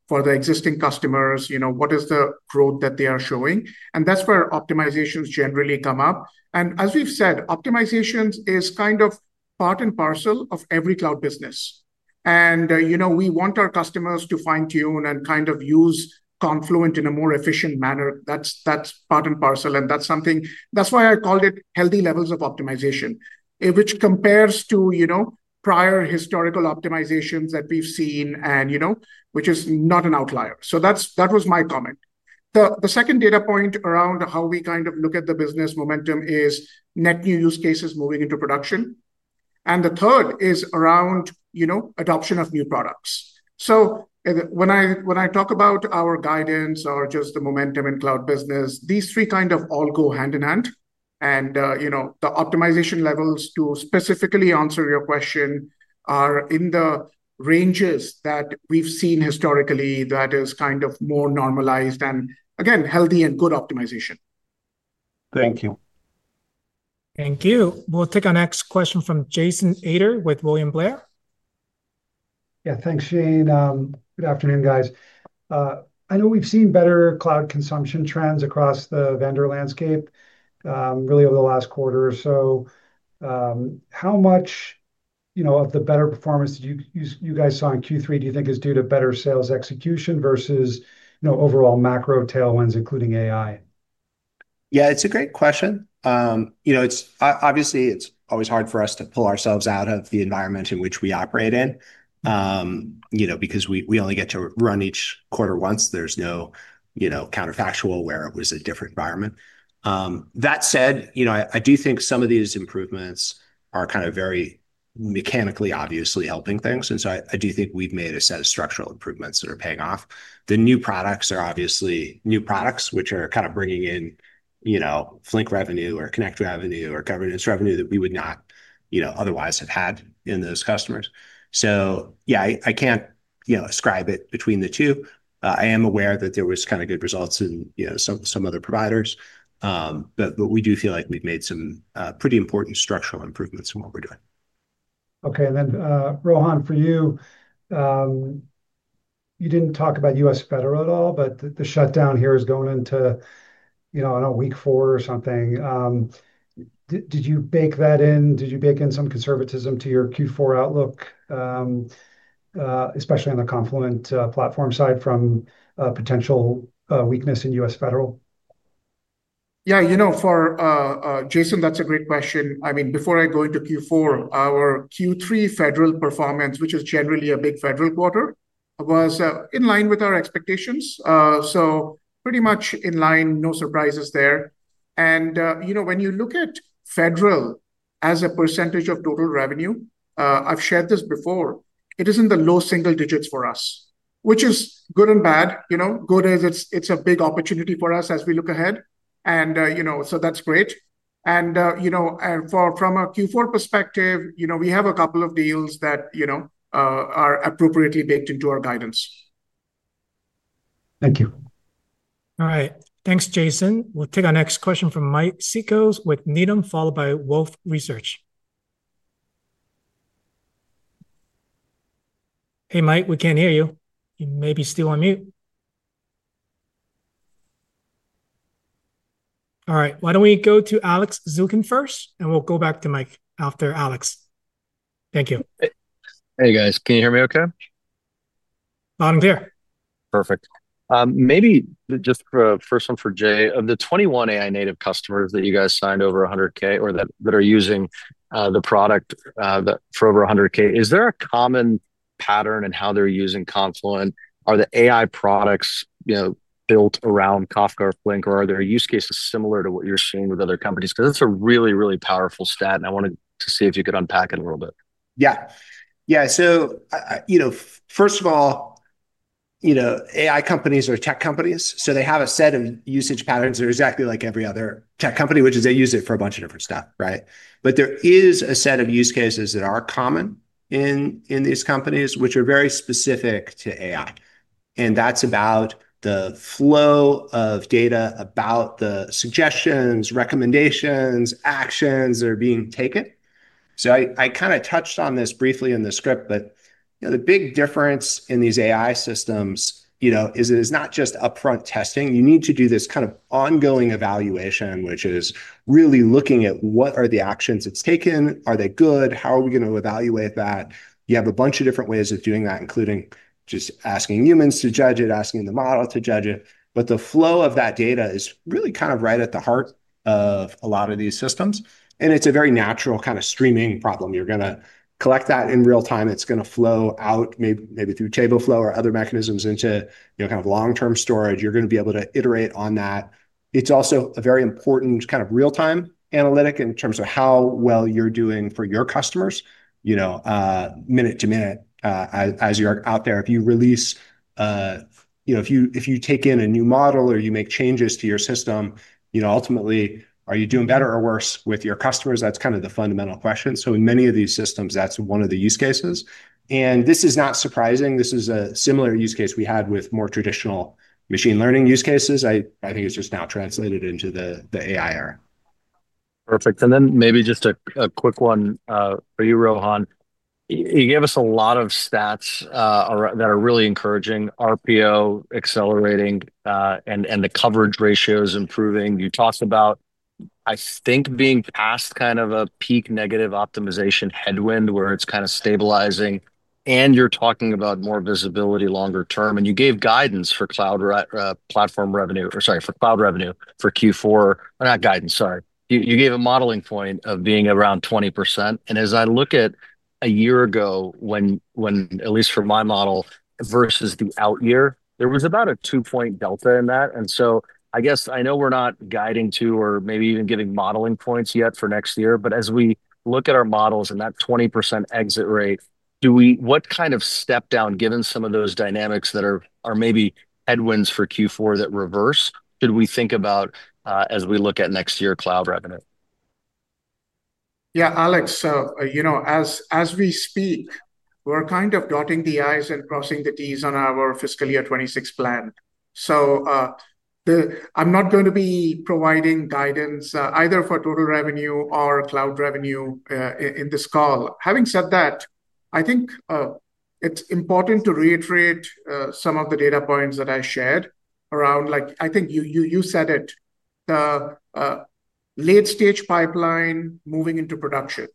for the existing customers, you know, what is the growth that they are showing and that's where optimizations generally come up. As we've said, optimizations are kind of part and parcel of every cloud business. We want our customers to fine tune and use Confluent in a more efficient manner. That's part and parcel and that's something, that's why I called it healthy levels of optimization, which compares to prior historical optimizations that we've seen and which is not an outlier. That was my comment. The second data point around how we look at the business momentum is net new use cases moving into production and the third is around adoption of new products. When I talk about our guidance or just the momentum in cloud business, these three all go hand in hand and the optimization levels, to specifically answer your question, are in the ranges that we've seen historically that is more normalized and again, healthy and good optimization. Thank you. Thank you. We'll take our next question from Jason Ader with William Blair. Yeah, thanks, Shane. Good afternoon, guys. I know we've seen better cloud consumption trends across the vendor landscape, really, over the last quarter or so. How much of the better performance you guys saw in Q3, do you think is due to better sales execution versus, you know, overall macro tailwinds, including AI? Yeah, it's a great question. You know, it's obviously always hard for us to pull ourselves out of the environment in which we operate in, because we only get to run each quarter once. There's no, you know, counterfactual where it was a different environment. That said, I do think some of these improvements are kind of very mechanically obviously helping things. I do think we've made a set of structural improvements that are paying off. The new products are obviously new products which are kind of bringing in Flink revenue or Connectors revenue or Stream Governance revenue that we would not otherwise have had in those customers. Yeah, I can't ascribe it between the two. I am aware that there was kind of good results in some other providers, but we do feel like we've made some pretty important structural improvements in what we're doing. Okay, and then, Rohan, for you. You didn't talk about U.S. Federal at all, but the shutdown here is going into, you know, I don't know, week four or something. Did you bake that in? Did you bake in some conservatism to your Q4 outlook, especially on the Confluent Platform side from potential weakness in U.S. Federal? Yeah, for Jason, that's a great question. Before I go into Q4, our Q3 federal performance, which is generally a big federal quarter, was in line with our expectations, pretty much in line. No surprises there. When you look at federal as a percentage of total revenue, I've shared this before, it is in the low single digits for us, which is good and bad. Good is, it's a big opportunity for us as we look ahead, so that's great. From a Q4 perspective, we have a couple of deals that are appropriately baked into our guidance. Thank you. All right, thanks, Jason. We'll take our next question from Mike Cikos with Needham, followed by Wolfe Research. Hey, Mike, we can't hear you, you may be still on mute. All right, why don't we go to Alex Zukin first and we'll go back to Mike after Alex. Thank you. Hey guys, can you hear me okay? Loud and clear. Perfect. Maybe just first one for Jay, of the 21 AI native customers that you guys signed over $100,000 or that are using the product for over $100,000, is there a common pattern in how they're using Confluent? Are the AI products, you know, built around Kafka or Apache Flink or are there use cases similar to what you're seeing with other companies? It's a really, really powerful stat and I wanted to see if you could unpack it a little bit. Yeah, yeah. First of all, AI companies are tech companies. They have a set of usage patterns that are exactly like every other tech company, which is, they use it for a bunch of different stuff. There is a set of use cases that are common in these companies which are very specific to AI and that's about the flow of data, about the suggestions, recommendations, actions that are being taken. I kind of touched on this briefly in the script, but the big difference in these AI systems is it is not just upfront testing. You need to do this kind of ongoing evaluation which is really looking at what are the actions it's taken, are they good, how are we going to evaluate that? You have a bunch of different ways of doing that, including just asking humans to judge it, asking the model to judge it. The flow of that data is really kind of right at the heart of a lot of these systems. It's a very natural kind of streaming problem. You're going to collect that in real time. It's going to flow out, maybe through Tableflow or other mechanisms into kind of long-term storage. You're going to be able to iterate on that. It's also a very important kind of real-time analytic in terms of how well you're doing for your customers, minute to minute as you're out there. If you release, you know, if you take in a new model or you make changes to your system, ultimately are you doing better or worse with your customers? That's kind of the fundamental question. In many of these systems, that's one of the use cases and this is not surprising. This is a similar use case we had with more traditional machine learning use cases. I think it's just now translated into the AI era. Perfect. Maybe just a quick one for you, Rohan, you gave us a lot of stats that are really encouraging, RPO accelerating and the coverage ratios improving. You talked about, I think, being past kind of a peak negative optimization headwind where it's kind of stabilizing and you're talking about more visibility longer term. You gave guidance for cloud revenue for Q4, or not guidance, sorry, you gave a modeling point of being around 20%. As I look at a year ago, when at least for my model versus the out year, there was about a two point delta in that.I know we're not guiding to or maybe even giving modeling points yet for next year, but as we look at our models and that 20% exit rate, what kind of step down, given some of those dynamics that are maybe headwinds for Q4 that reverse, should we think about as we look at next year cloud revenue? Yeah, Alex, as we speak we're kind of dotting the I's and crossing the T's on our fiscal year 2026 plan. I'm not going to be providing guidance either for total revenue or cloud revenue in this call. Having said that, I think it's important to reiterate some of the data points that I shared around. Like you said, the late stage pipeline moving into production,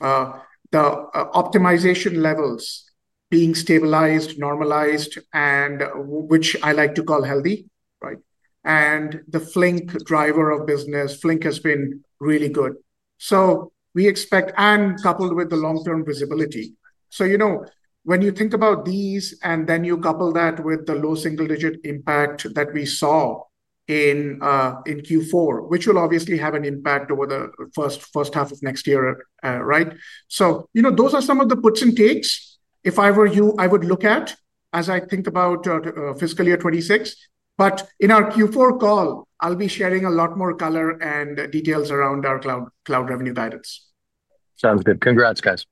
the optimization levels being stabilized, normalized, and which I like to call healthy. Right. The Flink driver of business, Flink has been really good. We expect, and coupled with the long term visibility, when you think about these and then you couple that with the low single digit impact that we saw in Q4, which will obviously have an impact over the first half of next year. Those are some of the puts and takes I would look at as I think about fiscal year 2026. In our Q4 call I'll be sharing a lot more color and details around our cloud revenue guidance. Sounds good. Congrats, guys.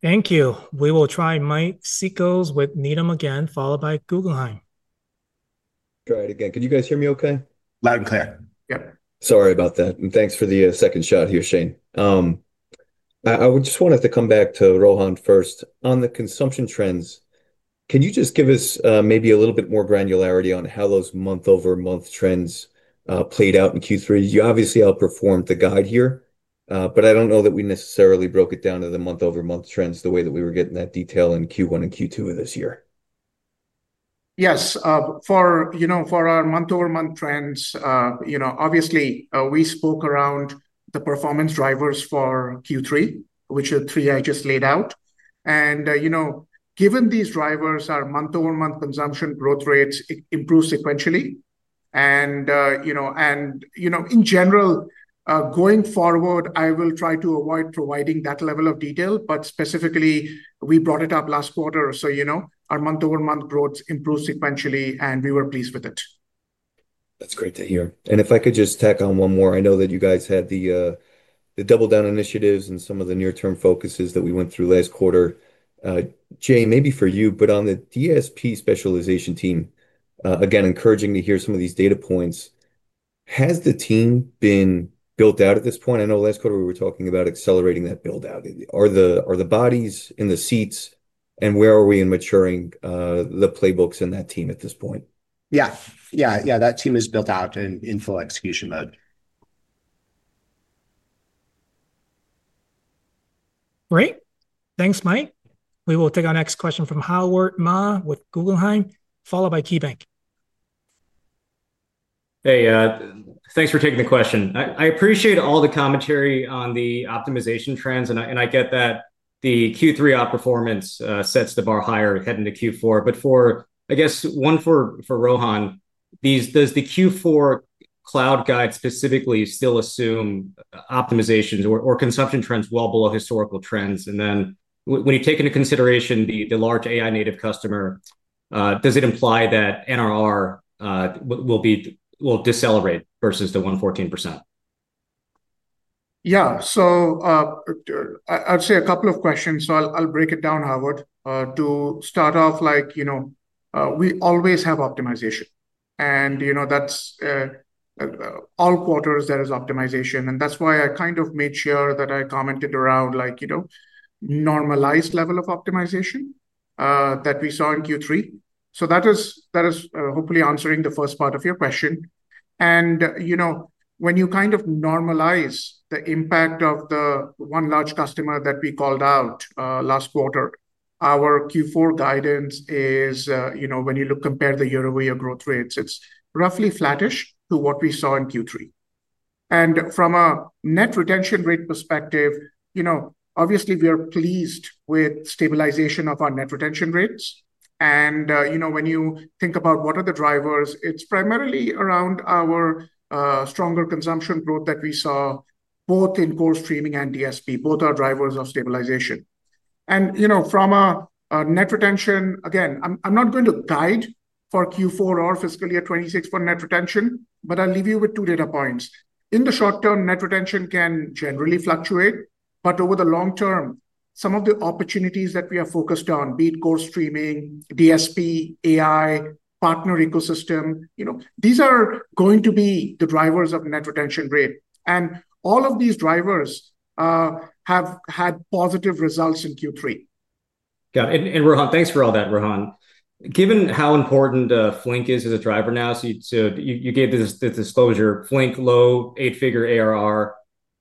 Thank you. We will try Mike Cikos with Needham again, followed by Guggenheim. Try it again. Can you guys hear me okay? Loud and clear. Sorry about that. Thanks for the second shot here, Shane. I just wanted to come back to Rohan first on the consumption trends. Can you just give us maybe a little bit more granularity on how those month over month trends played out in Q3? You obviously outperformed the guide here, but I don't know that we necessarily broke it down to the month over month trends the way that we were getting that detail in Q1 and Q2 of this year. For our month over month trends, we spoke around the performance drivers for Q3, which are three I just laid out. Given these drivers, our month over month consumption growth rates improved sequentially, and in general, going forward I will try to avoid providing that level of detail. Specifically, we brought it up last quarter, so our month over month growth improved sequentially and we were pleased with it. That's great to hear. If I could just tack on one more, I know that you guys had the double down initiatives and some of the near term focuses that we went through last quarter. Jay, maybe for you, but on the Data Streaming Platform specialization team, again, encouraging to hear some of these data points. Has the team been built out at this point? I know last quarter we were talking about accelerating that build out. Are the bodies in the seats and where are we in maturing the playbooks? In that team at this point? Yeah. That team is built out in full execution mode. Great. Thanks, Mike. We will take our next question from Howard Ma with Guggenheim, followed by KeyBanc. Hey, thanks for taking the question. I appreciate all the commentary on the optimization trends, and I get that the Q3 outperformance sets the bar higher heading to Q4. For, I guess, one for Rohan, does the Q4 cloud guide specifically still assume optimizations or consumption trends well below historical trends? When you take into consideration the large AI native customer, does it imply that NRR will decelerate versus the 114%? Yeah. I'd say a couple of questions so I'll break it down. Howard, to start off, you know we always have optimization and that's all quarters, there is optimization, and that's why I kind of made sure that I commented around normalized level of optimization that we saw in Q3. That is hopefully answering the first part of your question. When you kind of normalize the impact of the one large customer that we called out last quarter, our Q4 guidance is, when you look and compare the year-over-year growth rates, it's roughly flattish to what we saw in Q3. From a net retention rate perspective, obviously we are pleased with stabilization of our net retention rates. When you think about what are the drivers, it's primarily around our stronger consumption growth that we saw both in core streaming and DSP. Both are drivers of stabilization. You know, from a net retention, again, I'm not going to guide for Q4 or fiscal year 2026 for net retention. I'll leave you with two data points. In the short term, net retention can generally fluctuate, but over the long term, some of the opportunities that we are focused on, be it core streaming, DSP, AI partner ecosystem, these are going to be the drivers of net retention rate. All of these drivers have had positive results in Q3. Got it. Rohan, thanks for all that. Rohan, given how important Flink is as a driver now, you gave this disclosure. Flink low 8-figure ARR,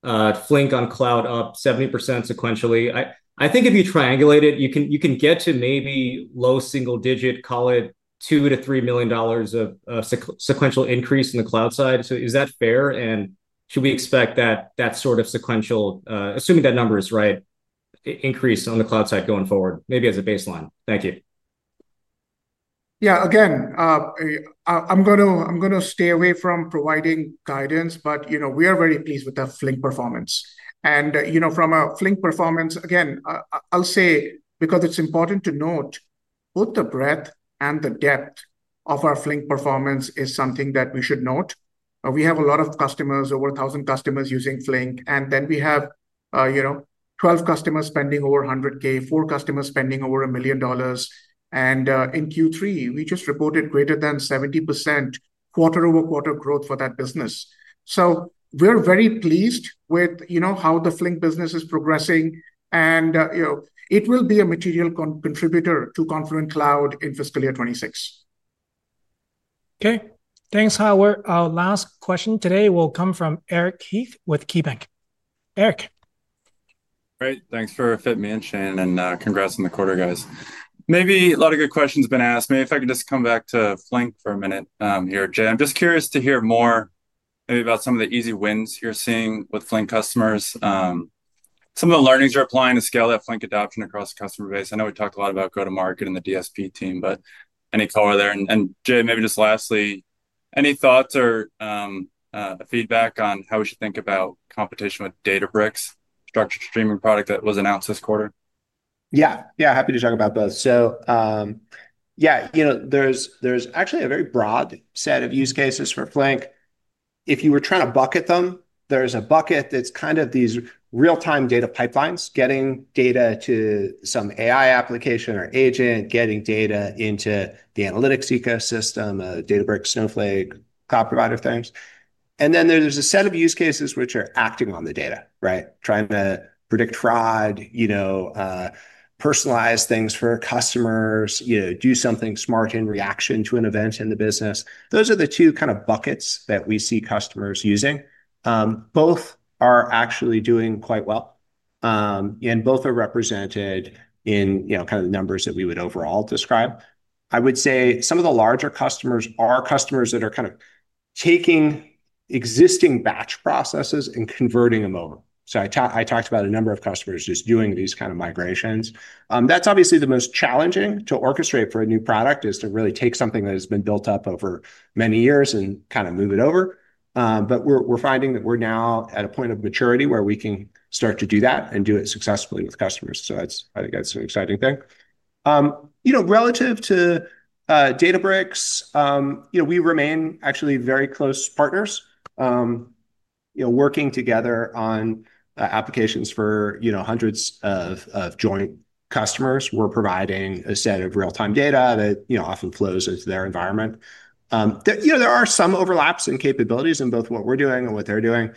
Flink on cloud up 70% sequentially. I think if you triangulate it, you can get to maybe low single digit, call it $2 million to $3 million of sequential increase in the cloud side. Is that fair and should we expect that that sort of sequential, assuming that number is right, increase on the cloud side going forward? Maybe as a baseline. Thank you. Yeah, again I'm going to stay away from providing guidance, but we are very pleased with the Flink performance. From a Flink performance, again I'll say because it's important to note both the breadth and the depth of our Flink performance is something that we should note. We have a lot of customers, over 1,000 customers using Flink, and then we have 12 customers spending over $100,000, four customers spending over $1 million. In Q3 we just reported greater than 70% quarter over quarter growth for that business. We're very pleased with how the Flink business is progressing, and it will be a material contributor to Confluent Cloud in fiscal year 2026. Okay, thanks, Howard. Our last question today will come from Eric Heath with KeyBanc. Eric. Great. Thanks for fitting me in, Shane. Congrats on the quarter, guys. Maybe a lot of good questions have been asked. If I could just come back to Flink for a minute here. Jay, I'm just curious to hear more about some of the easy wins you're seeing with Flink customers, some of the learnings you're applying to scale that Flink adoption across the customer base. I know we talked a lot about Go to Market and the DSP team, but any color there? Jay, lastly, any thoughts or feedback on how we should think about competition with Databricks Structured Streaming product that was announced this quarter. Happy to talk about both. There's actually a very broad set of use cases for Flink. If you were trying to bucket them, there's a bucket that's kind of these real time data pipelines, getting data to some AI application or agent, getting data into the analytics ecosystem, Databricks, Snowflake, cloud provider things. Then there's a set of use cases which are acting on the data, trying to predict fraud, personalize things for customers, do something smart in reaction to an event in the business. Those are the two kind of buckets that we see customers using. Both are actually doing quite well and both are represented in the numbers that we would overall describe. I would say some of the larger customers are customers that are taking existing batch processes and converting them over. I talked about a number of customers just doing these kinds of migrations. That's obviously the most challenging to orchestrate for a new product, to really take something that has been built up over many years and move it over. We're finding that we're now at a point of maturity where we can start to do that and do it successfully with customers. I think that's an exciting thing. Relative to Databricks, we remain actually very close partners, working together on applications for hundreds of joint customers. We're providing a set of real time data that often flows into their environment. There are some overlaps in capabilities in both what we're doing and what they're doing.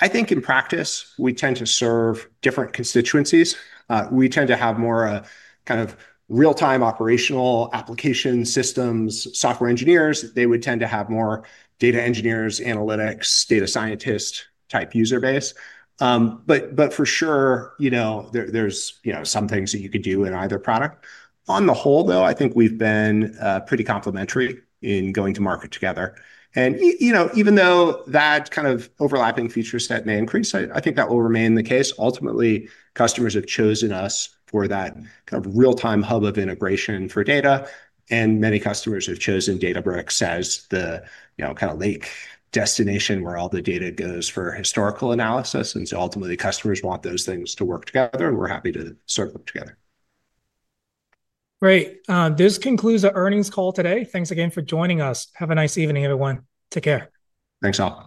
I think in practice we tend to serve different constituencies. We tend to have more real time operational application systems, software engineers. They would tend to have more data engineers, analytics data scientists type user base. For sure, there's some things that you could do in either product. On the whole, I think we've been pretty complementary in going to market together. Even though that kind of overlapping feature set may increase, I think that will remain the case. Ultimately, customers have chosen us for that kind of real time hub of integration for data. Many customers have chosen Databricks as the lake destination where all the data goes for historical analysis. Ultimately, the customers want those things to work together and we're happy to serve them together. Great. This concludes our earnings call today. Thanks again for joining us. Have a nice evening, everyone. Take care. Thanks all.